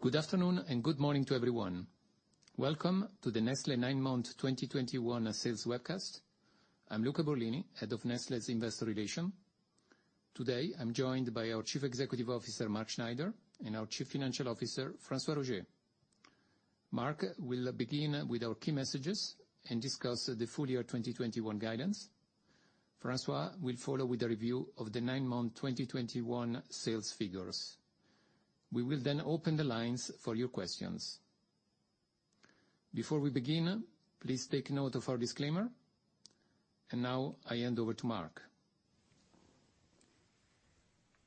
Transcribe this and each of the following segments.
Good afternoon and good morning to everyone. Welcome to the Nestlé 9-month 2021 Sales webcast. I'm Luca Borlini, Head of Nestlé's Investor Relations. Today, I'm joined by our Chief Executive Officer, Mark Schneider, and our Chief Financial Officer, François Roger. Mark will begin with our key messages and discuss the full year 2021 guidance. François will follow with a review of the 9-month 2021 sales figures. We will open the lines for your questions. Before we begin, please take note of our disclaimer. Now I hand over to Mark.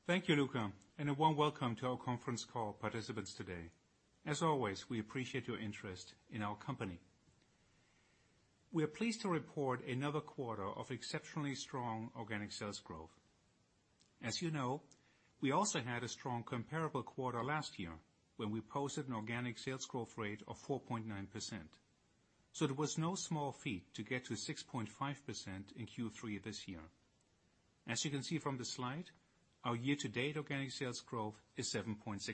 Thank you, Luca, and a warm welcome to our conference call participants today. As always, we appreciate your interest in our company. We are pleased to report another quarter of exceptionally strong organic sales growth. As you know, we also had a strong comparable quarter last year, when we posted an organic sales growth rate of 4.9%. It was no small feat to get to 6.5% in Q3 this year. As you can see from the slide, our year-to-date organic sales growth is 7.6%.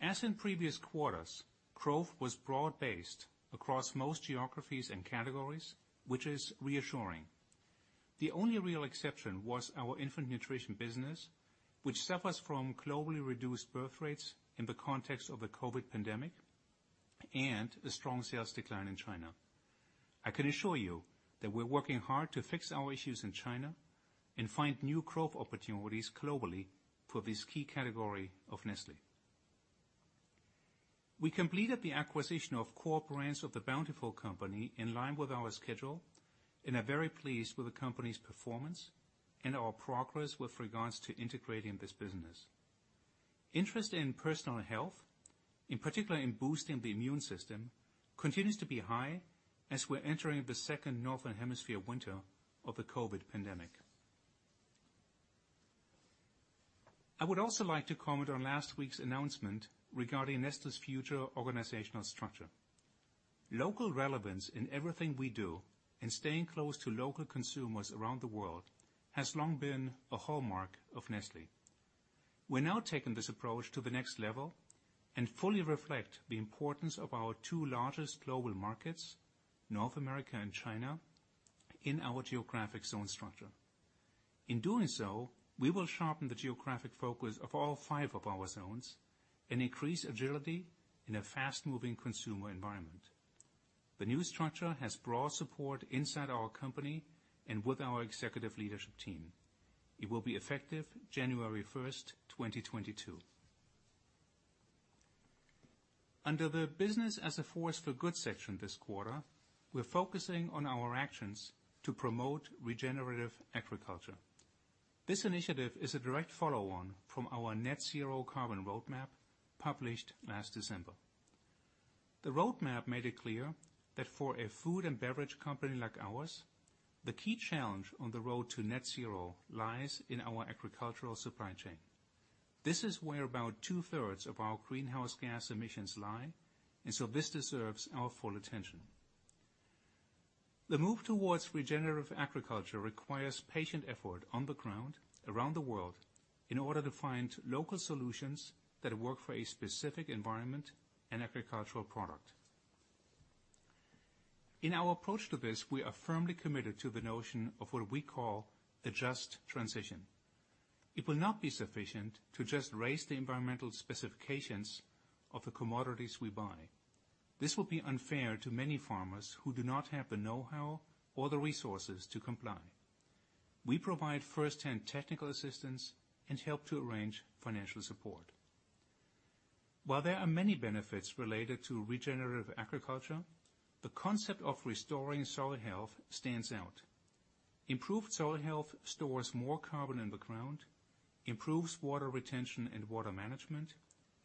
As in previous quarters, growth was broad-based across most geographies and categories which is reassuring. The only real exception was our infant nutrition business, which suffers from globally reduced birth rates in the context of the COVID pandemic and a strong sales decline in China. I can assure you that we're working hard to fix our issues in China and find new growth opportunities globally for this key category of Nestlé. We completed the acquisition of core brands of The Bountiful Company in line with our schedule and are very pleased with the company's performance and our progress with regards to integrating this business. Interest in personal health, in particular in boosting the immune system, continues to be high as we're entering the second Northern Hemisphere winter of the COVID pandemic. I would also like to comment on last week's announcement regarding Nestlé's future organizational structure. Local relevance in everything we do and staying close to local consumers around the world has long been a hallmark of Nestlé. We're now taking this approach to the next level and fully reflect the importance of our two largest global markets, North America and China, in our geographic zone structure. In doing so, we will sharpen the geographic focus of all five of our zones and increase agility in a fast-moving consumer environment. The new structure has broad support inside our company and with our executive leadership team. It will be effective January 1st, 2022. Under the business as a force for good section this quarter, we're focusing on our actions to promote regenerative agriculture. This initiative is a direct follow-on from our Net Zero Carbon Roadmap published last December. The roadmap made it clear that for a food and beverage company like ours, the key challenge on the road to net zero lies in our agricultural supply chain. This is where about two-thirds of our greenhouse gas emissions lie, and so this deserves our full attention. The move towards regenerative agriculture requires patient effort on the ground around the world in order to find local solutions that work for a specific environment and agricultural product. In our approach to this, we are firmly committed to the notion of what we call a just transition. It will not be sufficient to just raise the environmental specifications of the commodities we buy. This will be unfair to many farmers who do not have the know-how or the resources to comply. We provide first-hand technical assistance and help to arrange financial support. While there are many benefits related to regenerative agriculture, the concept of restoring soil health stands out. Improved soil health stores more carbon in the ground, improves water retention and water management,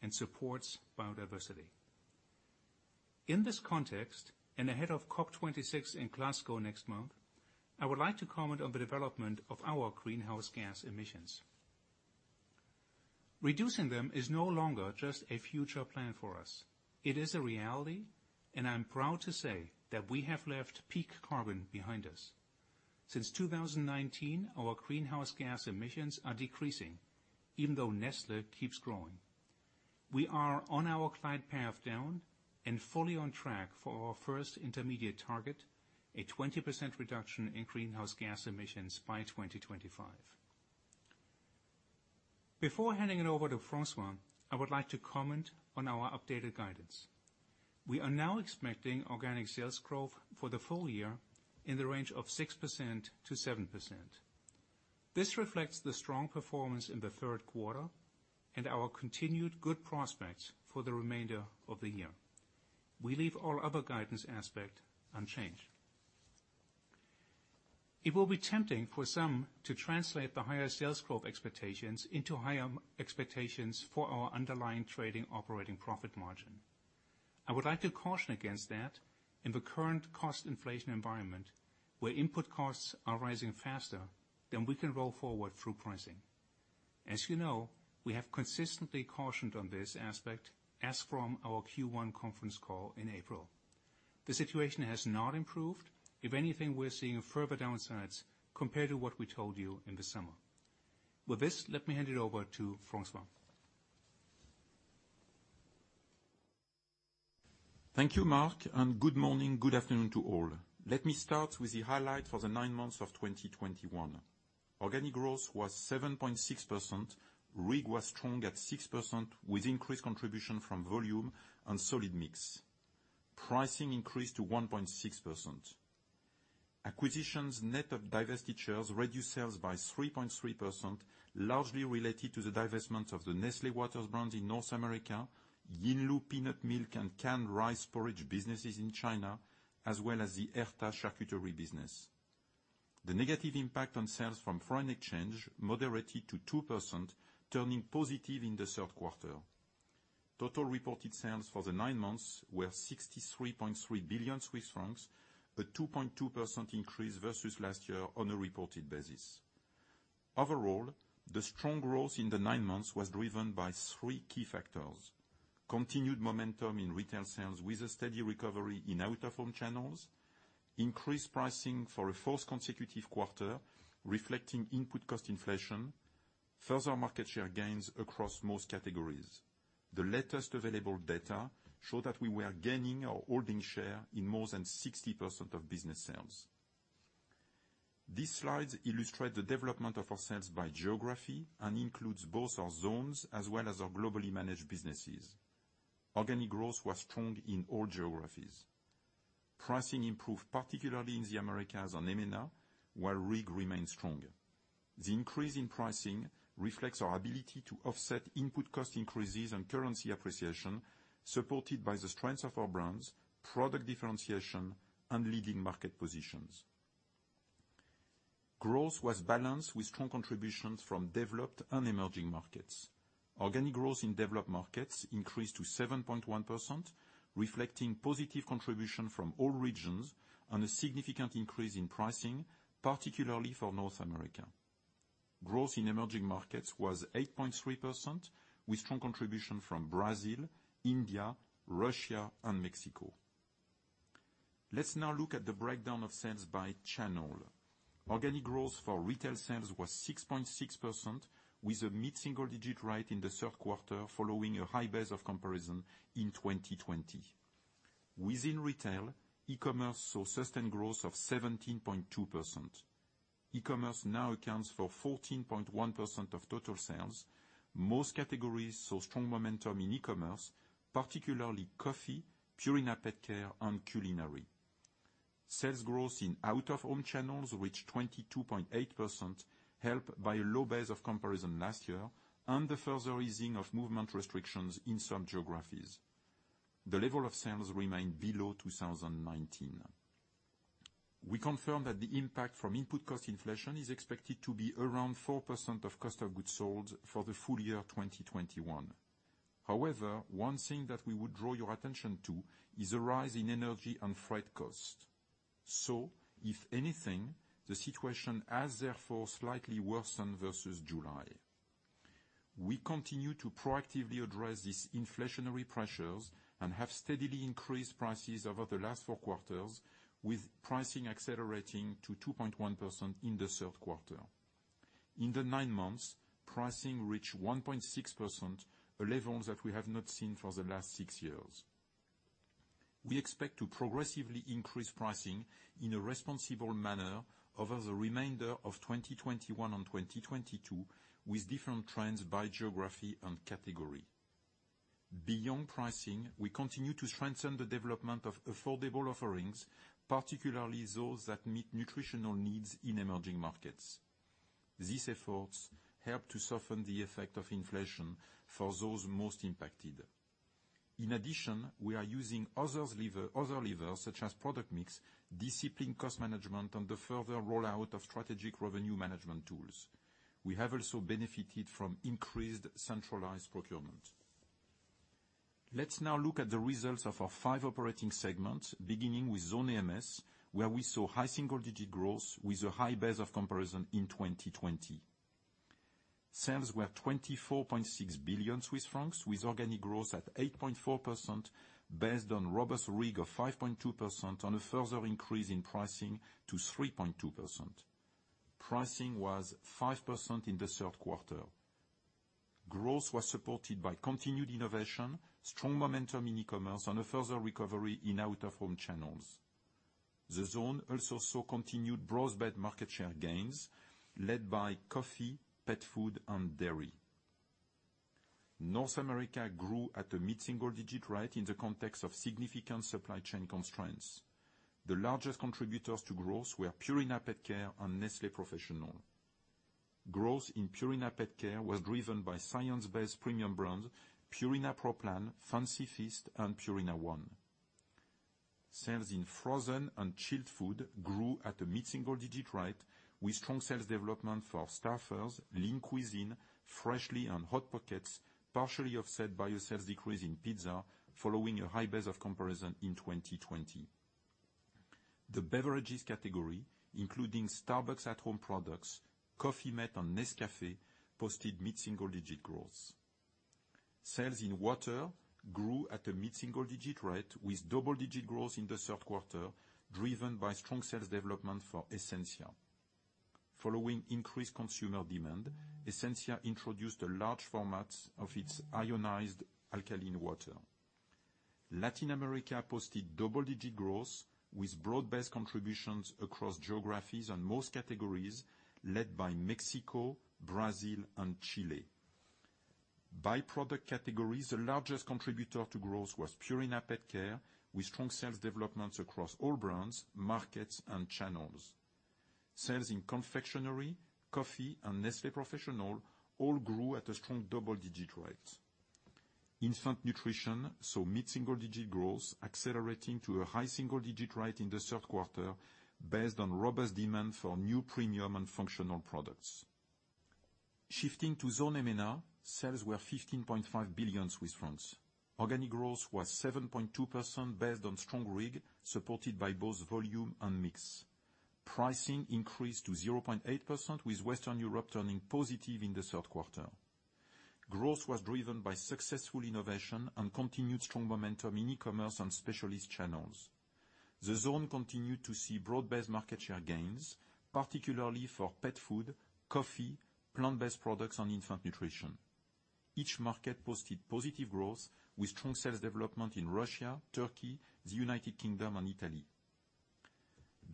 and supports biodiversity. In this context, ahead of COP26 in Glasgow next month, I would like to comment on the development of our greenhouse gas emissions. Reducing them is no longer just a future plan for us. It is a reality, and I'm proud to say that we have left peak carbon behind us. Since 2019, our greenhouse gas emissions are decreasing, even though Nestlé keeps growing. We are on our decline path down and fully on track for our first intermediate target, a 20% reduction in greenhouse gas emissions by 2025. Before handing it over to François, I would like to comment on our updated guidance. We are now expecting organic sales growth for the full year in the range of 6% to 7%. This reflects the strong performance in the third quarter and our continued good prospects for the remainder of the year. We leave all other guidance aspect unchanged. It will be tempting for some to translate the higher sales growth expectations into higher expectations for our underlying trading operating profit margin. I would like to caution against that in the current cost inflation environment, where input costs are rising faster than we can roll forward through pricing. As you know, we have consistently cautioned on this aspect as from our Q1 conference call in April. The situation has not improved. If anything, we're seeing further downsides compared to what we told you in the summer. With this, let me hand it over to François. Thank you, Mark. Good morning, good afternoon to all. Let me start with the highlight for the nine months of 2021. Organic growth was 7.6%, RIG was strong at 6% with increased contribution from volume and solid mix. Pricing increased to 1.6%. Acquisitions net of divested shares reduced sales by 3.3%, largely related to the divestment of the Nestlé Waters brands in North America, Yinlu peanut milk and canned rice porridge businesses in China, as well as the Herta charcuterie business. The negative impact on sales from foreign exchange moderated to 2%, turning positive in the third quarter. Total reported sales for the nine months were 63.3 billion Swiss francs, a 2.2% increase versus last year on a reported basis. Overall, the strong growth in the nine months was driven by three key factors. Continued momentum in retail sales with a steady recovery in out-of-home channels, increased pricing for a fourth consecutive quarter reflecting input cost inflation, further market share gains across most categories. The latest available data show that we were gaining or holding share in more than 60% of business sales. These slides illustrate the development of our sales by geography and includes both our zones as well as our globally managed businesses. Organic growth was strong in all geographies. Pricing improved, particularly in the Americas and EMENA, while RIG remained strong. The increase in pricing reflects our ability to offset input cost increases and currency appreciation, supported by the strength of our brands, product differentiation and leading market positions. Growth was balanced with strong contributions from developed and emerging markets. Organic growth in developed markets increased to 7.1%, reflecting positive contribution from all regions and a significant increase in pricing, particularly for North America. Growth in emerging markets was 8.3%, with strong contribution from Brazil, India, Russia and Mexico. Let's now look at the breakdown of sales by channel. Organic growth for retail sales was 6.6%, with a mid-single digit rate in the third quarter following a high base of comparison in 2020. Within retail, e-commerce saw sustained growth of 17.2%. E-commerce now accounts for 14.1% of total sales. Most categories saw strong momentum in e-commerce, particularly coffee, Purina PetCare and culinary. Sales growth in out-of-home channels reached 22.8%, helped by a low base of comparison last year and the further easing of movement restrictions in some geographies. The level of sales remained below 2019. We confirm that the impact from input cost inflation is expected to be around 4% of Cost of Goods Sold for the full year 2021. However, one thing that we would draw your attention to is a rise in energy and freight cost. If anything, the situation has therefore slightly worsened versus July. We continue to proactively address these inflationary pressures and have steadily increased prices over the last four quarters, with pricing accelerating to 2.1% in the third quarter. In the nine months, pricing reached 1.6%, a level that we have not seen for the last six years. We expect to progressively increase pricing in a responsible manner over the remainder of 2021 and 2022, with different trends by geography and category. Beyond pricing, we continue to strengthen the development of affordable offerings, particularly those that meet nutritional needs in emerging markets. These efforts help to soften the effect of inflation for those most impacted. In addition, we are using other levers, such as product mix, disciplined cost management, and the further rollout of strategic revenue management tools. We have also benefited from increased centralized procurement. Let's now look at the results of our five operating segments, beginning with Zone AMS, where we saw high single-digit growth with a high base of comparison in 2020. Sales were 24.6 billion Swiss francs with organic growth at 8.4%, based on robust RIG of 5.2% and a further increase in pricing to 3.2%. Pricing was 5% in the third quarter. Growth was supported by continued innovation, strong momentum in e-commerce and a further recovery in out-of-home channels. The zone also saw continued broad-based market share gains led by coffee, pet food and dairy. North America grew at a mid-single digit rate in the context of significant supply chain constraints. The largest contributors to growth were Purina PetCare and Nestlé Professional. Growth in Purina PetCare was driven by science-based premium brands, Purina Pro Plan, Fancy Feast, and Purina ONE. Sales in frozen and chilled food grew at a mid-single digit rate with strong sales development for Stouffer's, Lean Cuisine, Freshly, and Hot Pockets, partially offset by a sales decrease in pizza following a high base of comparison in 2020. The beverages category, including Starbucks at Home products, Coffee mate, and Nescafé, posted mid-single digit growth. Sales in water grew at a mid-single digit rate with double digit growth in the third quarter, driven by strong sales development for Essentia. Following increased consumer demand, Essentia introduced a large format of its ionized alkaline water. Latin America posted double-digit growth with broad-based contributions across geographies and most categories, led by Mexico, Brazil, and Chile. By product categories, the largest contributor to growth was Purina PetCare, with strong sales developments across all brands, markets, and channels. Sales in confectionery, coffee, and Nestlé Professional all grew at a strong double-digit rate. Infant nutrition saw mid-single-digit growth accelerating to a high-single-digit rate in the third quarter, based on robust demand for new premium and functional products. Shifting to Zone EMENA, sales were 15.5 billion Swiss francs. Organic growth was 7.2% based on strong RIG, supported by both volume and mix. Pricing increased to 0.8% with Western Europe turning positive in the third quarter. Growth was driven by successful innovation and continued strong momentum in e-commerce and specialist channels. The zone continued to see broad-based market share gains, particularly for pet food, coffee, plant-based products, and infant nutrition. Each market posted positive growth with strong sales development in Russia, Turkey, the United Kingdom, and Italy.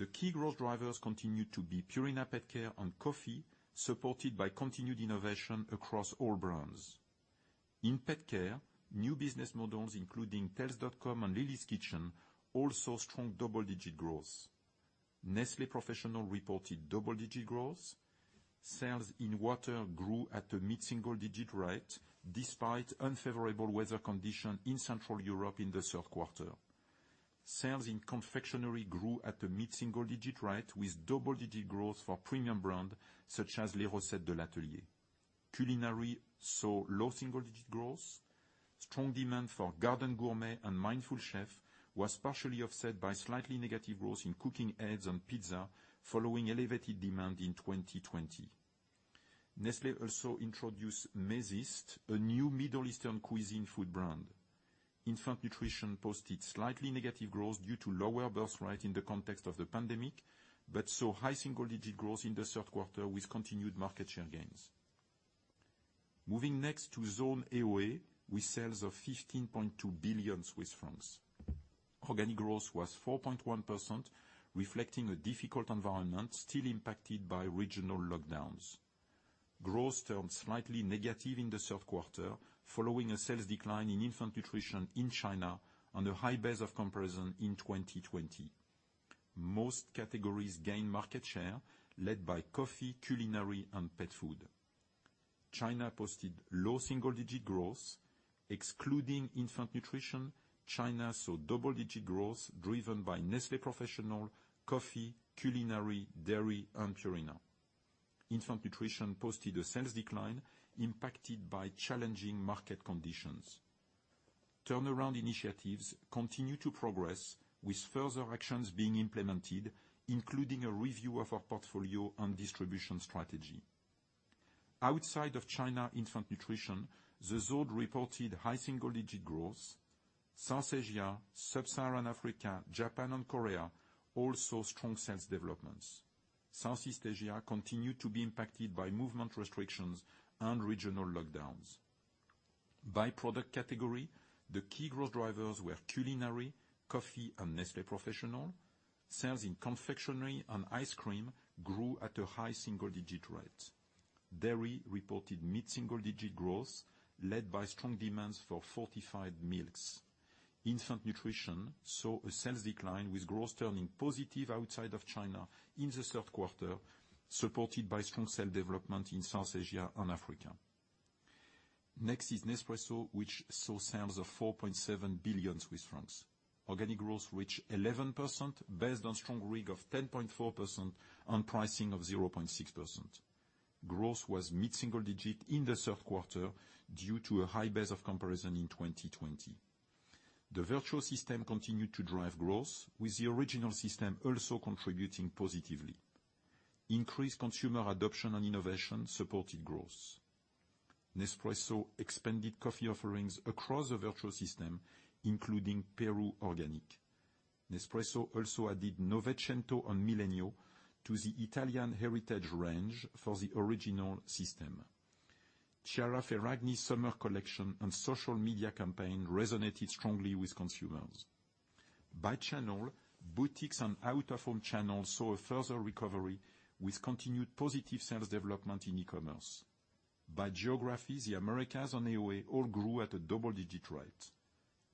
The key growth drivers continued to be Purina PetCare and coffee, supported by continued innovation across all brands. In pet care, new business models, including Tails.com and Lily's Kitchen, all saw strong double-digit growth. Nestlé Professional reported double-digit growth. Sales in water grew at a mid-single-digit rate despite unfavorable weather condition in Central Europe in the third quarter. Sales in confectionery grew at a mid-single-digit rate with double-digit growth for premium brand such as Les Recettes de l'Atelier. Culinary saw low-single-digit growth. Strong demand for Garden Gourmet and Mindful Chef was partially offset by slightly negative growth in cooking aids and pizza following elevated demand in 2020. Nestlé also introduced Mezeast, a new Middle Eastern cuisine food brand. Infant nutrition posted slightly negative growth due to lower birth rate in the context of the pandemic, saw high single-digit growth in the third quarter with continued market share gains. Moving next to Zone AOA, with sales of 15.2 billion Swiss francs. Organic growth was 4.1%, reflecting a difficult environment still impacted by regional lockdowns. Growth turned slightly negative in the third quarter following a sales decline in infant nutrition in China on a high base of comparison in 2020. Most categories gained market share, led by coffee, culinary, and pet food. China posted low single-digit growth, excluding infant nutrition, China saw double-digit growth, driven by Nestlé Professional, coffee, culinary, dairy, and Purina. Infant nutrition posted a sales decline impacted by challenging market conditions. Turnaround initiatives continue to progress, with further actions being implemented, including a review of our portfolio and distribution strategy. Outside of China infant nutrition, the zone reported high single-digit growth. South Asia, Sub-Saharan Africa, Japan, and Korea all saw strong sales developments. Southeast Asia continued to be impacted by movement restrictions and regional lockdowns. By product category, the key growth drivers were culinary, coffee, and Nestlé Professional. Sales in confectionery and ice cream grew at a high single-digit rate. Dairy reported mid-single-digit growth led by strong demands for fortified milks. Infant nutrition saw a sales decline, with growth turning positive outside of China in the third quarter, supported by strong sales development in South Asia and Africa. Next is Nespresso, which saw sales of 4.7 billion Swiss francs. Organic growth reached 11%, based on strong RIG of 10.4% and pricing of 0.6%. Growth was mid-single digit in the third quarter due to a high base of comparison in 2020. The Vertuo system continued to drive growth with the Original system also contributing positively. Increased consumer adoption and innovation supported growth. Nespresso expanded coffee offerings across the Vertuo system, including Peru Organic. Nespresso also added Novecento and Millennio to the Italian Heritage range for the Original system. Chiara Ferragni's summer collection and social media campaign resonated strongly with consumers. By channel, boutiques and out-of-home channels saw a further recovery with continued positive sales development in e-commerce. By geography, the Americas and AOA all grew at a double digit rate.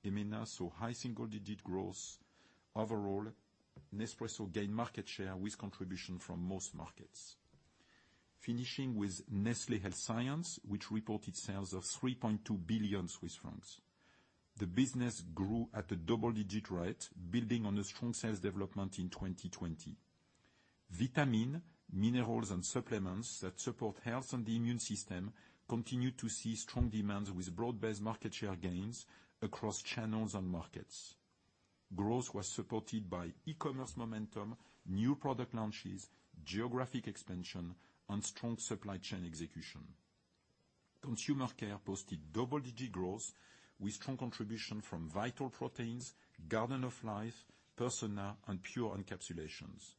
EMEA saw high single digit growth. Overall, Nespresso gained market share with contribution from most markets. Finishing with Nestlé Health Science, which reported sales of 3.2 billion Swiss francs. The business grew at a double-digit rate, building on a strong sales development in 2020. Vitamin, minerals, and supplements that support health and the immune system continue to see strong demands with broad-based market share gains across channels and markets. Growth was supported by e-commerce momentum, new product launches, geographic expansion, and strong supply chain execution. Consumer care posted double-digit growth with strong contribution from Vital Proteins, Garden of Life, Persona, and Pure Encapsulations.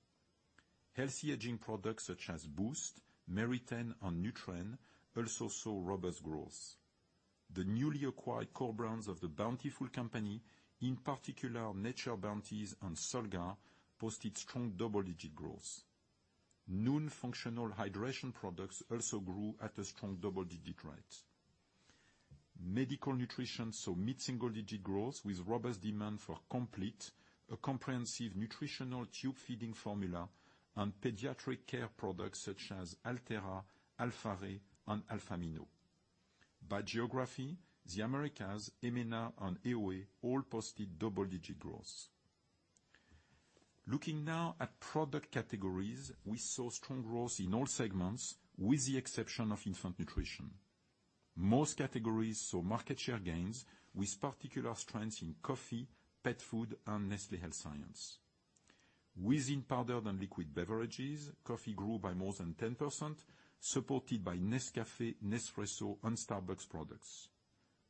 Healthy aging products such as BOOST, Meritene, and Nutren also saw robust growth. The newly acquired core brands of The Bountiful Company, in particular Nature's Bounty and Solgar, posted strong double-digit growth. Non-functional hydration products also grew at a strong double-digit rate. Medical nutrition saw mid-single-digit growth with robust demand for Compleat, a comprehensive nutritional tube-feeding formula, and pediatric care products such as Althéra, Alfaré, and Alfamino. By geography, the Americas, EMENA, and AOA all posted double-digit growth. Looking now at product categories, we saw strong growth in all segments, with the exception of infant nutrition. Most categories saw market share gains, with particular strengths in coffee, pet food, and Nestlé Health Science. Within powdered and liquid beverages, coffee grew by more than 10%, supported by Nescafé, Nespresso, and Starbucks products.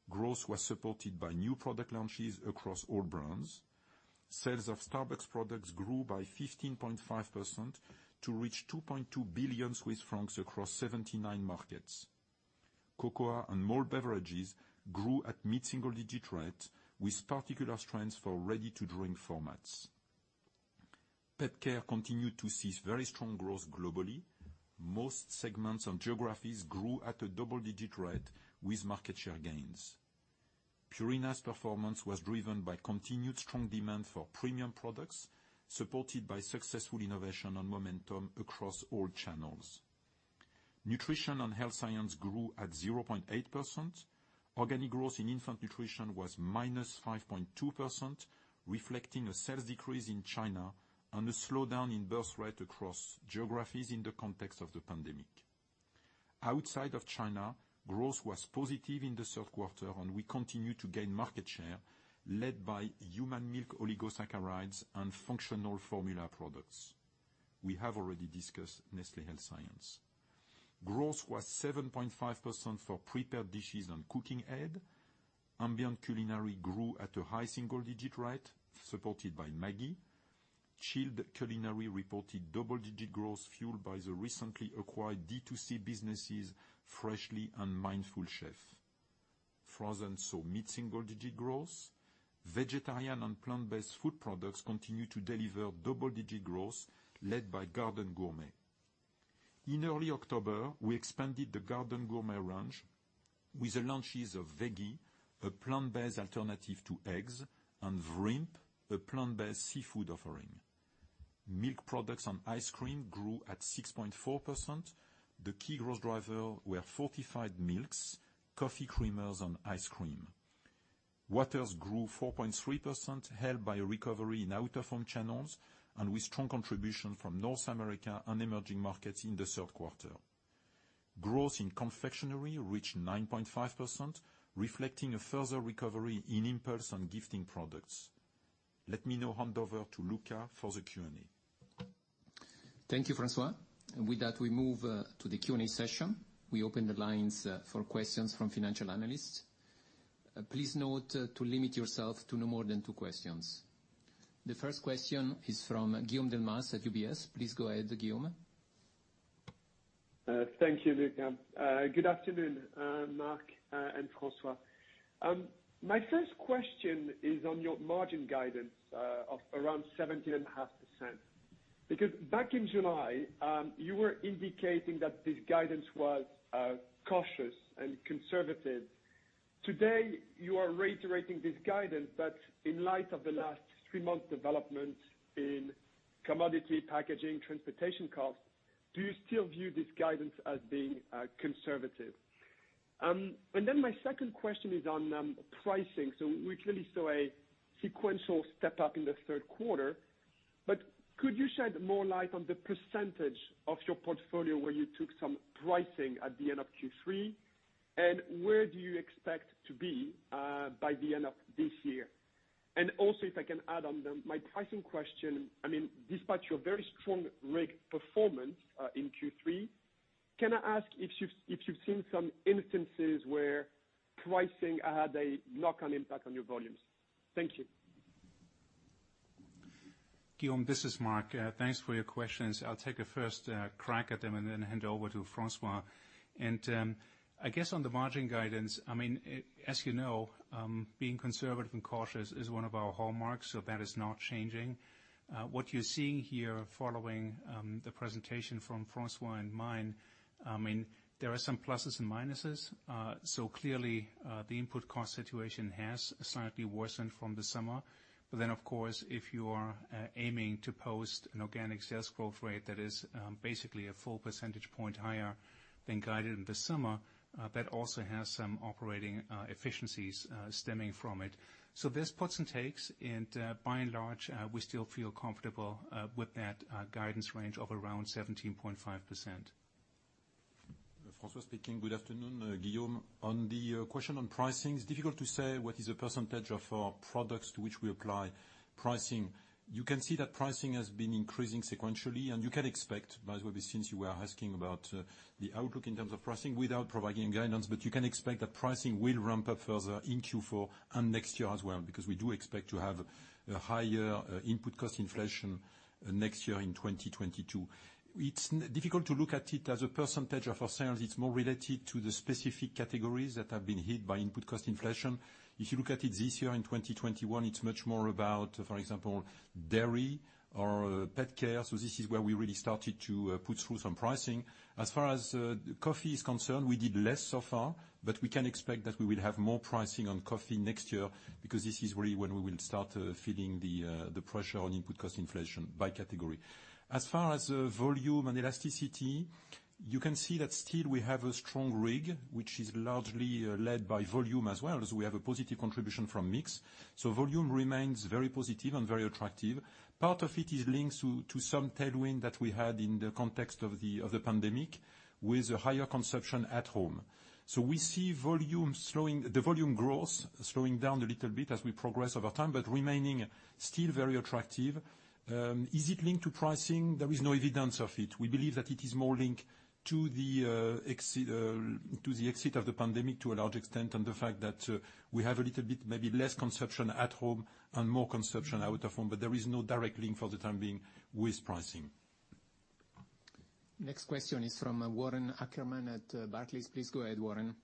Growth was supported by new product launches across all brands. Sales of Starbucks products grew by 15.5% to reach 2.2 billion Swiss francs across 79 markets. Cocoa and malt beverages grew at mid-single-digit rate with particular strengths for ready-to-drink formats. Pet care continued to see very strong growth globally. Most segments and geographies grew at a double-digit rate with market share gains. Purina's performance was driven by continued strong demand for premium products, supported by successful innovation and momentum across all channels. Nutrition and Health Science grew at 0.8%. Organic growth in infant nutrition was -5.2%, reflecting a sales decrease in China and a slowdown in birthrate across geographies in the context of the pandemic. Outside of China, growth was positive in the third quarter, and we continue to gain market share led by human milk oligosaccharides and functional formula products. We have already discussed Nestlé Health Science. Growth was 7.5% for prepared dishes and cooking aid. Ambient culinary grew at a high single-digit rate, supported by Maggi. Chilled culinary reported double-digit growth fueled by the recently acquired D2C businesses Freshly and Mindful Chef. Frozen saw mid-single-digit growth. Vegetarian and plant-based food products continue to deliver double-digit growth led by Garden Gourmet. In early October, we expanded the Garden Gourmet range with the launches of vEGGie, a plant-based alternative to eggs, and Vrimp, a plant-based seafood offering. Milk products and ice cream grew at 6.4%. The key growth driver were fortified milks, coffee creamers, and ice cream. Waters grew 4.3%, helped by a recovery in out-of-home channels and with strong contribution from North America and emerging markets in the third quarter. Growth in confectionery reached 9.5%, reflecting a further recovery in impulse on gifting products. Let me now hand over to Luca for the Q&A. Thank you, François. With that, we move to the Q&A session. We open the lines for questions from financial analysts. Please note to limit yourself to no more than two questions. The first question is from Guillaume Delmas at UBS. Please go ahead, Guillaume. Thank you, Luca. Good afternoon, Mark and François. My first question is on your margin guidance of around 17.5%, because back in July, you were indicating that this guidance was cautious and conservative. Today, you are reiterating this guidance, but in light of the last three months development in commodity packaging, transportation costs, do you still view this guidance as being conservative? Then my second question is on pricing. We clearly saw a sequential step-up in the third quarter, but could you shed more light on the percentage of your portfolio where you took some pricing at the end of Q3, and where do you expect to be by the end of this year? Also, if I can add on my pricing question, despite your very strong RIG performance in Q3, can I ask if you've seen some instances where pricing had a knock-on impact on your volumes? Thank you. Guillaume, this is Mark. Thanks for your questions. I'll take a first crack at them and then hand over to François. I guess on the margin guidance, as you know, being conservative and cautious is one of our hallmarks, so that is not changing. What you're seeing here following the presentation from François and mine, there are some pluses and minuses. Of course, if you are aiming to post an organic sales growth rate that is basically a 1 percentage point higher than guided in the summer, that also has some operating efficiencies stemming from it. There's puts and takes, and by large, we still feel comfortable with that guidance range of around 17.5%. François. Good afternoon, Guillaume. On the question on pricing, it's difficult to say what is the percentage of our products to which we apply pricing. You can see that pricing has been increasing sequentially. You can expect, by the way, since you were asking about the outlook in terms of pricing without providing guidance, you can expect that pricing will ramp up further in Q4 and next year as well, because we do expect to have a higher input cost inflation next year in 2022. It's difficult to look at it as a percentage of our sales. It's more related to the specific categories that have been hit by input cost inflation. If you look at it this year in 2021, it's much more about, for example, dairy or pet care. This is where we really started to put through some pricing. As far as coffee is concerned, we did less so far, but we can expect that we will have more pricing on coffee next year, because this is really when we will start feeling the pressure on input cost inflation by category. As far as volume and elasticity, you can see that still we have a strong RIG, which is largely led by volume as well, as we have a positive contribution from mix. Volume remains very positive and very attractive. Part of it is linked to some tailwind that we had in the context of the pandemic, with higher consumption at home. We see the volume growth slowing down a little bit as we progress over time but remaining still very attractive. Is it linked to pricing? There is no evidence of it. We believe that it is more linked to the exit of the pandemic to a large extent, and the fact that we have a little bit, maybe less consumption at home and more consumption out of home but there is no direct link for the time being with pricing. Next question is from Warren Ackerman at Barclays. Please go ahead, Warren.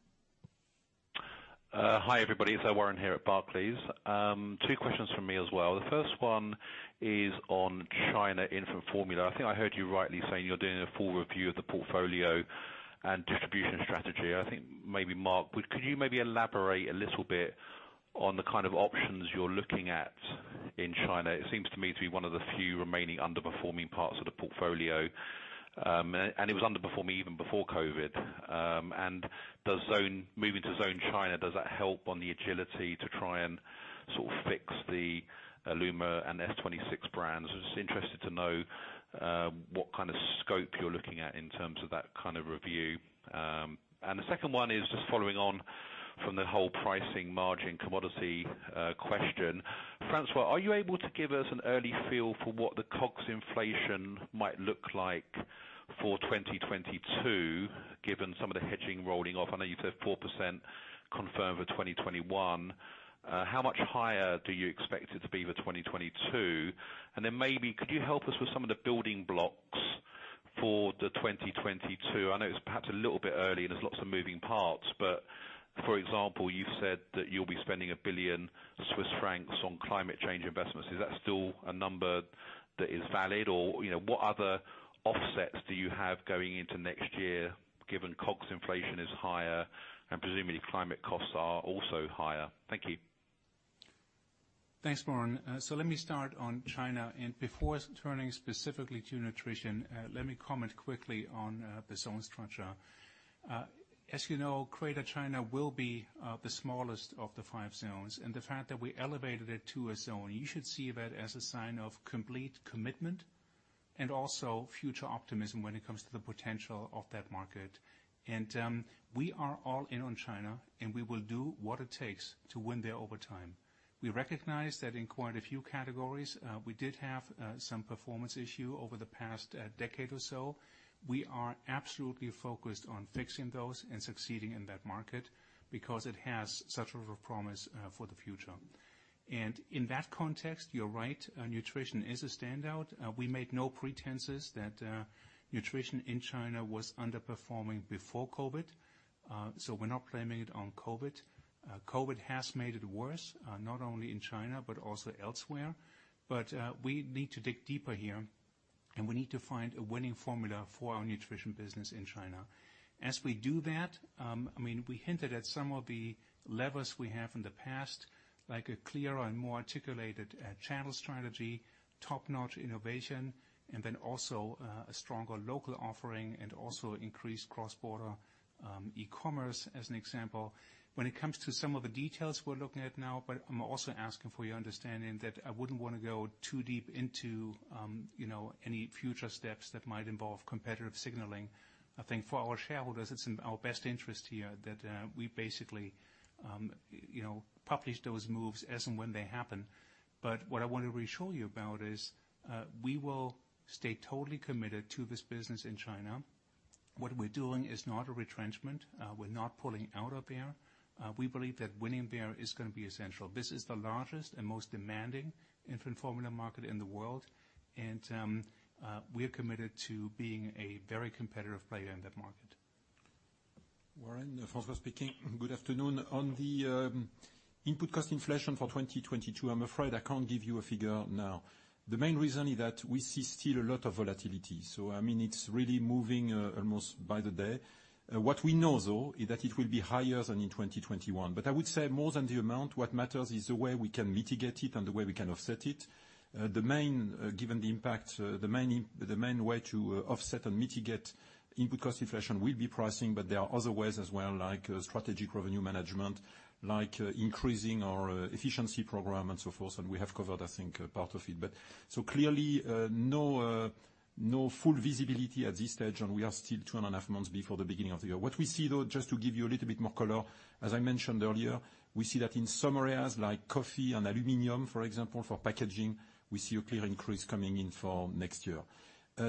Hi, everybody. It's Warren here at Barclays. Two questions from me as well. The first one is on China infant formula. I think I heard you rightly saying you're doing a full review of the portfolio and distribution strategy. I think maybe Mark, could you maybe elaborate a little bit on the kind of options you're looking at in China? It seems to me to be one of the few remaining underperforming parts of the portfolio, and it was underperforming even before COVID. Moving to zone China, does that help on the agility to try and sort of fix the Illuma and S-26 brands? I'm just interested to know what kind of scope you're looking at in terms of that kind of review. The second one is just following on from the whole pricing margin commodity question. François, are you able to give us an early feel for what the COGS inflation might look like for 2022, given some of the hedging rolling off? I know you said 4% confirmed for 2021. How much higher do you expect it to be for 2022? Then maybe could you help us with some of the building blocks for the 2022? I know it's perhaps a little bit early and there's lots of moving parts, but for example, you've said that you'll be spending 1 billion Swiss francs on climate change investments. Is that still a number that is valid or what other offsets do you have going into next year, given COGS inflation is higher and presumably climate costs are also higher? Thank you. Thanks, Warren. Let me start on China. Before turning specifically to nutrition, let me comment quickly on the zone structure. As you know, Greater China will be the smallest of the five zones, and the fact that we elevated it to a zone, you should see that as a sign of complete commitment and also future optimism when it comes to the potential of that market. We are all in on China, and we will do what it takes to win there over time. We recognize that in quite a few categories, we did have some performance issue over the past decade or so. We are absolutely focused on fixing those and succeeding in that market because it has such a promise for the future. In that context, you're right, nutrition is a standout. We made no pretenses that nutrition in China was underperforming before COVID, so we're not blaming it on COVID. COVID has made it worse, not only in China, but also elsewhere. We need to dig deeper here, and we need to find a winning formula for our nutrition business in China. As we do that, we hinted at some of the levers we have in the past, like a clearer and more articulated channel strategy, top-notch innovation, and then also a stronger local offering and also increased cross-border e-commerce as an example. When it comes to some of the details we're looking at now, but I'm also asking for your understanding that I wouldn't want to go too deep into any future steps that might involve competitive signaling. I think for our shareholders, it's in our best interest here that we basically publish those moves as and when they happen. What I want to reassure you about is we will stay totally committed to this business in China. What we're doing is not a retrenchment. We're not pulling out of there. We believe that winning there is going to be essential. This is the largest and most demanding infant formula market in the world, and we are committed to being a very competitive player in that market. Warren, François speaking. Good afternoon. On the input cost inflation for 2022, I'm afraid I can't give you a figure now. The main reason is that we see still a lot of volatility, it's really moving almost by the day. What we know, though, is that it will be higher than in 2021. I would say more than the amount, what matters is the way we can mitigate it and the way we can offset it. Given the impact, the main way to offset and mitigate input cost inflation will be pricing, there are other ways as well, like strategic revenue management, like increasing our efficiency program and so forth, and we have covered, I think, part of it. Clearly, No full visibility at this stage, and we are still two and a half months before the beginning of the year. What we see though, just to give you a little bit more color, as I mentioned earlier, we see that in some areas like coffee and aluminum, for example, for packaging, we see a clear increase coming in for next year.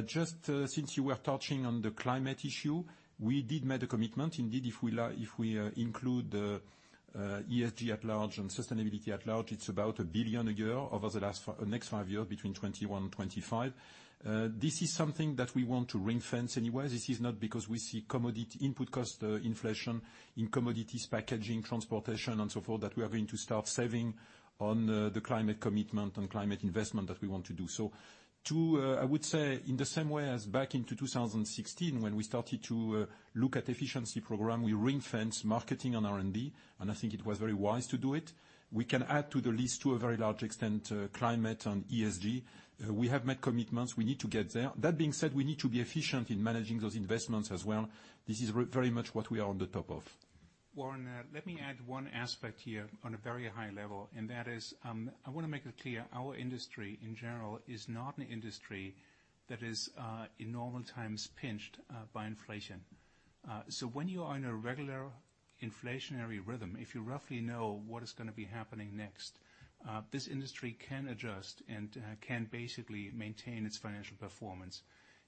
Just since you were touching on the climate issue, we did make a commitment. Indeed, if we include the ESG at large and sustainability at large, it's about 1 billion a year over the next five years, between 2021 and 2025. This is something that we want to ring-fence anyway. This is not because we see input cost inflation in commodities, packaging, transportation, and so forth, that we are going to start saving on the climate commitment and climate investment that we want to do. I would say in the same way as back into 2016, when we started to look at efficiency program, we ring-fence marketing and R&D, and I think it was very wise to do it. We can add to the list to a very large extent, climate and ESG. We have made commitments. We need to get there. That being said, we need to be efficient in managing those investments as well. This is very much what we are on the top of. Warren, let me add one aspect here on a very high level, and that is, I want to make it clear, our industry, in general, is not an industry that is, in normal times, pinched by inflation. When you are on a regular inflationary rhythm, if you roughly know what is going to be happening next, this industry can adjust and can basically maintain its financial performance.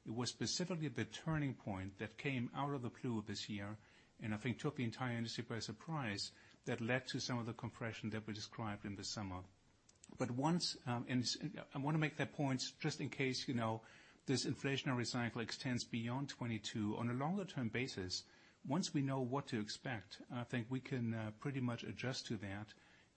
It was specifically the turning point that came out of the blue this year, and I think took the entire industry by surprise, that led to some of the compression that we described in the summer. I want to make that point just in case this inflationary cycle extends beyond 2022. On a longer-term basis, once we know what to expect, I think we can pretty much adjust to that,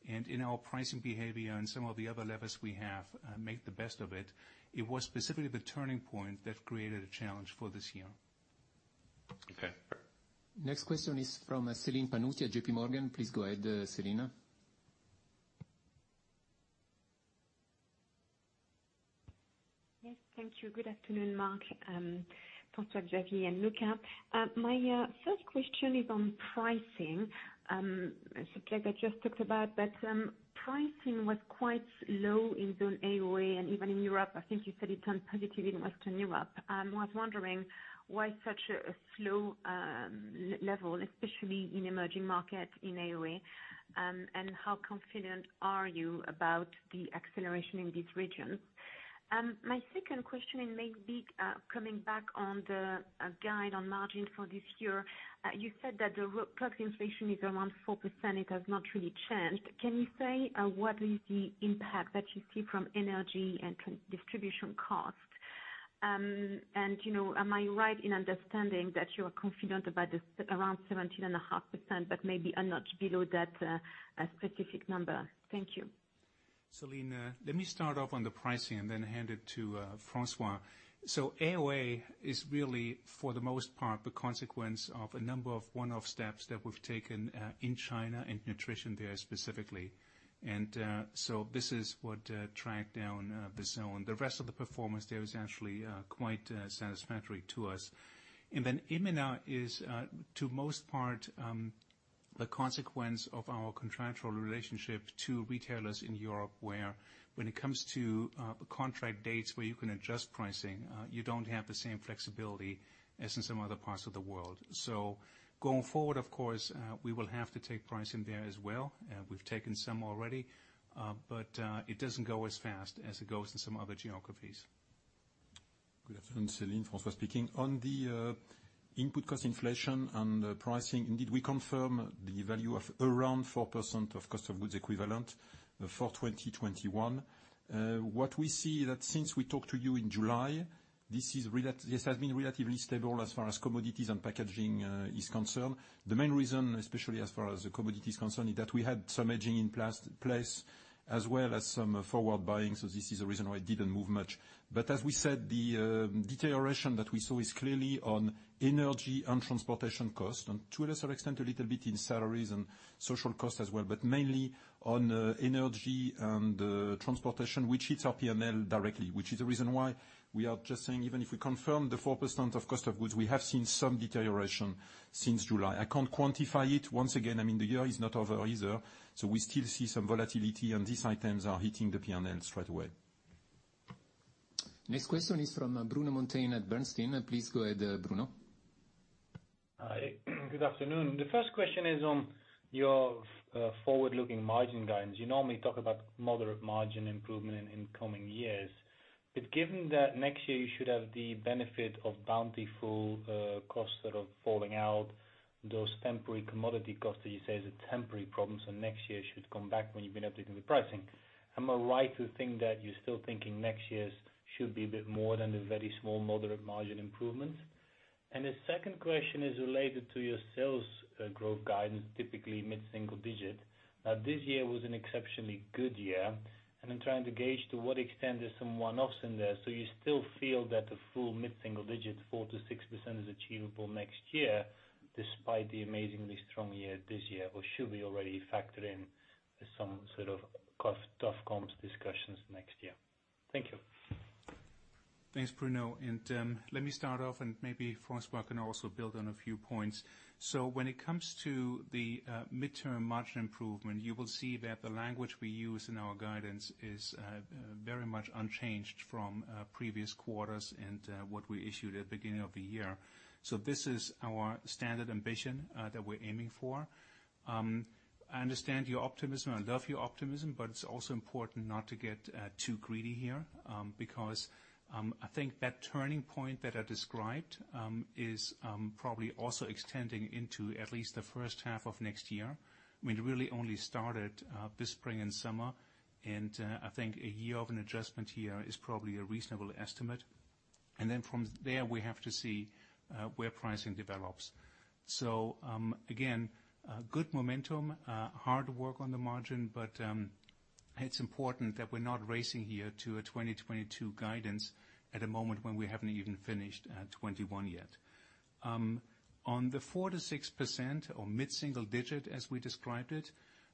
and in our pricing behavior and some of the other levers we have, make the best of it. It was specifically the turning point that created a challenge for this year. Okay. Next question is from Celine Pannuti at JP Morgan. Please go ahead, Celine. Yes, thank you. Good afternoon, Mark, François-Xavier, and Luca. My first question is on pricing, a subject I just talked about, but pricing was quite low in the AOA and even in Europe. I think you said it turned positive in Western Europe. I was wondering why such a slow level, especially in emerging markets in AOA, and how confident are you about the acceleration in these regions? My second question may be coming back on the guide on margins for this year. You said that the inflation is around 4%, it has not really changed. Can you say what is the impact that you see from energy and distribution costs? Am I right in understanding that you're confident about around 17.5%, but maybe a notch below that specific number? Thank you. Celine, let me start off on the pricing and then hand it to François. AOA is really, for the most part, the consequence of a number of one-off steps that we've taken in China, in nutrition there specifically. EMENA is, to most part, the consequence of our contractual relationship to retailers in Europe, where when it comes to contract dates where you can adjust pricing, you don't have the same flexibility as in some other parts of the world. Going forward, of course, we will have to take pricing there as well. We've taken some already. It doesn't go as fast as it goes in some other geographies. Good afternoon, Celine. François speaking. On the input cost inflation and pricing, indeed, we confirm the value of around 4% of cost of goods equivalent for 2021. What we see that since we talked to you in July, this has been relatively stable as far as commodities and packaging is concerned. The main reason, especially as far as the commodity is concerned, is that we had some hedging in place as well as some forward buying so this is the reason why it didn't move much. As we said, the deterioration that we saw is clearly on energy and transportation cost, and to a lesser extent, a little bit in salaries and social cost as well, but mainly on energy and transportation, which hits our P&L directly, which is the reason why we are just saying, even if we confirm the 4% of Cost of Goods Sold, we have seen some deterioration since July. I cannot quantify it. Once again, the year is not over either, so we still see some volatility, and these items are hitting the P&L straight away. Next question is from Bruno Monteyne at Bernstein. Please go ahead, Bruno. Good afternoon. The first question is on your forward-looking margin guidance. You normally talk about moderate margin improvement in coming years. Given that next year you should have the benefit of Bountiful costs that are falling out, those temporary commodity costs that you say is a temporary problem, so next year should come back when you benefit in the pricing. Am I right to think that you're still thinking next year should be a bit more than a very small moderate margin improvement? The second question is related to your sales growth guidance, typically mid-single digit. This year was an exceptionally good year, and I'm trying to gauge to what extent there's some one-offs in there. You still feel that the full mid-single digit 4% to 6% is achievable next year despite the amazingly strong year this year, or should we already factor in some sort of tough comps discussions next year? Thank you. Thanks, Bruno. Let me start off, and maybe François can also build on a few points. When it comes to the midterm margin improvement, you will see that the language we use in our guidance is very much unchanged from previous quarters and what we issued at the beginning of the year. This is our standard ambition that we're aiming for. I understand your optimism. I love your optimism, but it's also important not to get too greedy here, because I think that turning point that I described is probably also extending into at least the first half of next year. We'd really only started this spring and summer, and I think a year of an adjustment here is probably a reasonable estimate. Then from there, we have to see where pricing develops. Again, good momentum, hard work on the margin, it's important that we're not racing here to a 2022 guidance at a moment when we haven't even finished 2021 yet. On the 4% to 6%, or mid-single digit as we described it,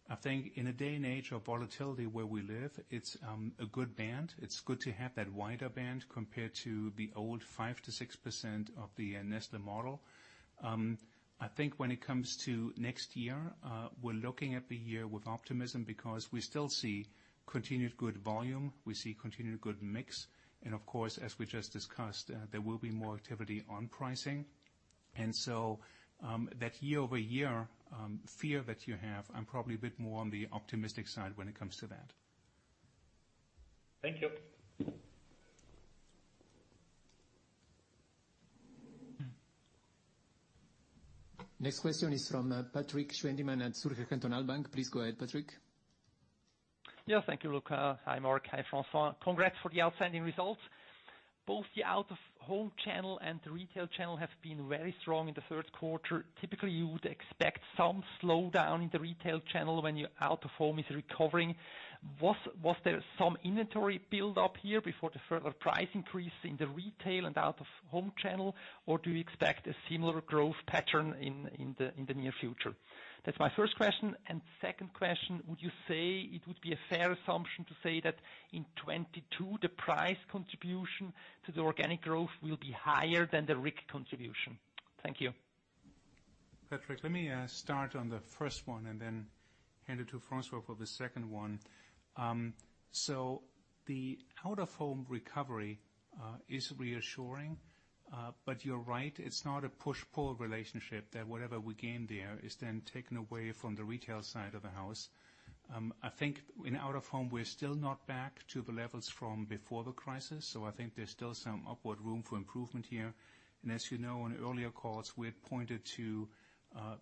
I think in a day and age of volatility where we live, it's a good band. It's good to have that wider band compared to the old 5% to 6% of the Nestlé model. I think when it comes to next year, we're looking at the year with optimism because we still see continued good volume, we see continued good mix, and of course, as we just discussed, there will be more activity on pricing. That year-over-year fear that you have, I'm probably a bit more on the optimistic side when it comes to that. Thank you. Next question is from Patrik Schwendimann at Zürcher Kantonalbank. Please go ahead, Patrick. Yeah, thank you, Luca. Hi, Mark. Hi, François. Congrats for the outstanding results. Both the out-of-home channel and the retail channel have been very strong in the third quarter. Typically, you would expect some slowdown in the retail channel when your out-of-home is recovering. Was there some inventory build-up here before the further price increase in the retail and out-of-home channel, or do you expect a similar growth pattern in the near future? That's my first question. Second question, would you say it would be a fair assumption to say that in 2022, the price contribution to the organic growth will be higher than the RIG contribution? Thank you. Patrik, let me start on the first one and then hand it to François for the second one. The out-of-home recovery is reassuring. You're right, it's not a push-pull relationship that whatever we gain there is then taken away from the retail side of the house. I think in out-of-home, we're still not back to the levels from before the crisis, so I think there's still some upward room for improvement here. As you know, on earlier calls, we had pointed to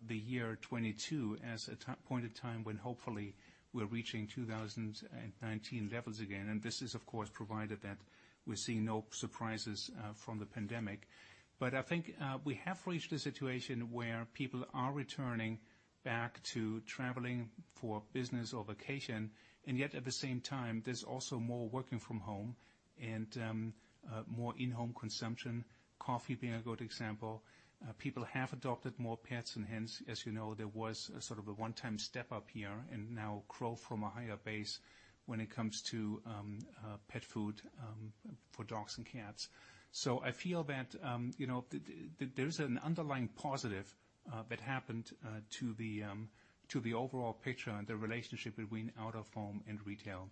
the year 2022 as a point in time when hopefully we're reaching 2019 levels again. This is, of course, provided that we're seeing no surprises from the pandemic. I think we have reached a situation where people are returning back to traveling for business or vacation, and yet at the same time, there's also more working from home and more in-home consumption, coffee being a good example. People have adopted more pets and hence, as you know, there was sort of a one-time step-up here and now grow from a higher base when it comes to pet food for dogs and cats. I feel that there's an underlying positive that happened to the overall picture and the relationship between out-of-home and retail.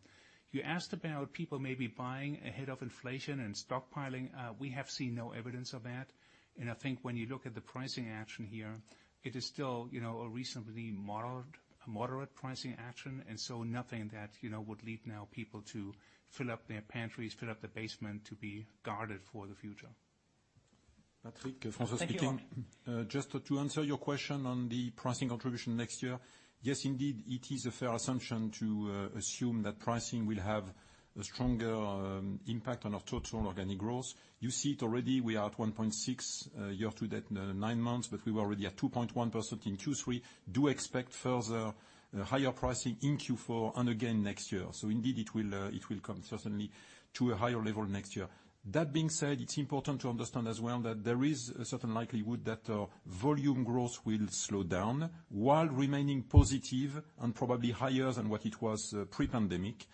You asked about people maybe buying ahead of inflation and stockpiling. We have seen no evidence of that. I think when you look at the pricing action here, it is still a reasonably moderate pricing action. Nothing that would lead now people to fill up their pantries, fill up their basement to be guarded for the future. Patrik, François speaking. Thank you. Just to answer your question on the pricing contribution next year, yes, indeed, it is a fair assumption to assume that pricing will have a stronger impact on our total organic growth. You see it already. We are at 1.6% year to date nine months, but we were already at 2.1% in Q3. Expect further higher pricing in Q4 and again next year. Indeed it will come certainly to a higher level next year. That being said, it's important to understand as well that there is a certain likelihood that volume growth will slow down while remaining positive and probably higher than what it was pre-pandemic.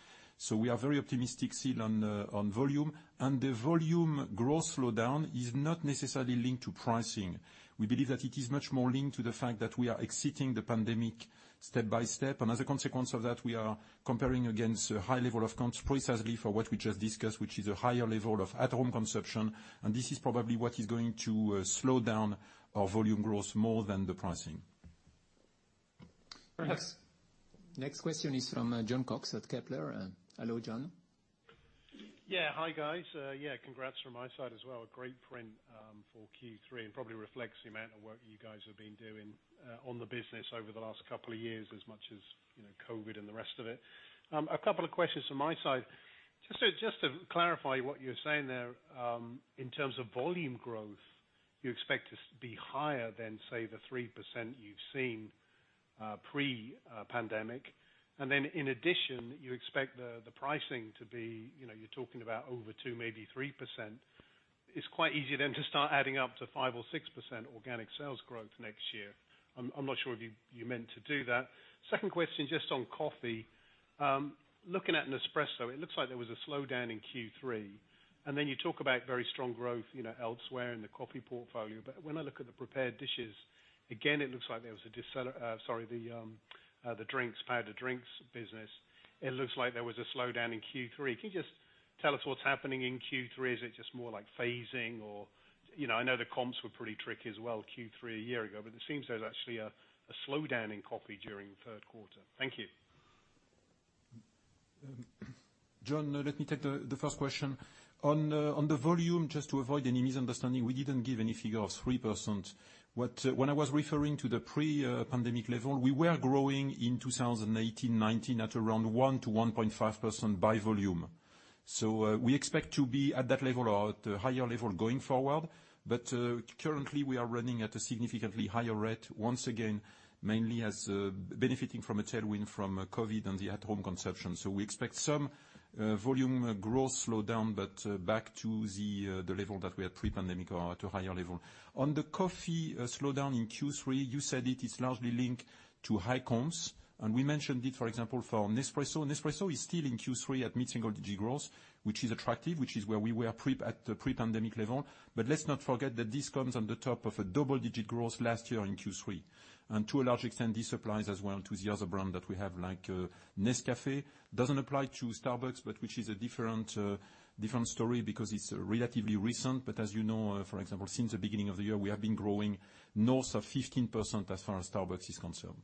We are very optimistic still on volume. The volume growth slowdown is not necessarily linked to pricing. We believe that it is much more linked to the fact that we are exiting the pandemic step by step, and as a consequence of that, we are comparing against a high level of consumption, precisely for what we just discussed which is a higher level of at-home consumption, and this is probably what is going to slow down our volume growth more than the pricing. Thanks. Next question is from Jon Cox at Kepler. Hello, Jon. Yeah. Hi, guys. Yeah, congrats from my side as well. Great print for Q3, and probably reflects the amount of work you guys have been doing on the business over the last couple of years as much as COVID and the rest of it. A couple of questions from my side. Just to clarify what you were saying there, in terms of volume growth, you expect to be higher than, say, the 3% you've seen pre-pandemic. Then in addition, you expect the pricing to be, you're talking about over 2%, maybe 3%. It's quite easy then to start adding up to 5% or 6% organic sales growth next year. I'm not sure if you meant to do that. Second question, just on coffee. Looking at Nespresso, it looks like there was a slowdown in Q3, and then you talk about very strong growth elsewhere in the coffee portfolio. When I look at the prepared dishes, again, the powder drinks business, it looks like there was a slowdown in Q3. Can you just tell us what's happening in Q3? Is it just more like phasing? I know the comps were pretty tricky as well, Q3 a year ago. It seems there's actually a slowdown in coffee during the third quarter. Thank you. Jon, let me take the first question. On the volume, just to avoid any misunderstanding, we didn't give any figure of 3%. When I was referring to the pre-pandemic level, we were growing in 2018/2019 at around 1% to 1.5% by volume. We expect to be at that level or at a higher level going forward. Currently, we are running at a significantly higher rate, once again, mainly as benefiting from a tailwind from COVID on the at-home consumption. We expect some volume growth slowdown, but back to the level that we are pre-pandemic or at a higher level. On the coffee slowdown in Q3, you said it is largely linked to high comps, and we mentioned it, for example, for Nespresso. Nespresso is still in Q3 at mid-single-digit growth, which is attractive, which is where we were at the pre-pandemic level. Let's not forget that this comes on the top of a double-digit growth last year in Q3. To a large extent, this applies as well to the other brand that we have, like Nescafé. Doesn't apply to Starbucks, but which is a different story because it's relatively recent. As you know, for example, since the beginning of the year, we have been growing north of 15% as far as Starbucks is concerned.